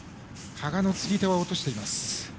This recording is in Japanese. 羽賀の釣り手を落としています。